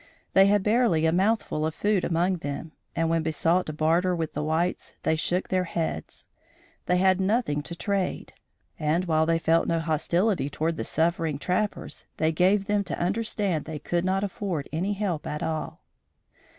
They had barely a mouthful of food among them, and, when besought to barter with the whites, they shook their heads. They had nothing to trade, and, while they felt no hostility toward the suffering trappers, they gave them to understand they could not afford any help at all.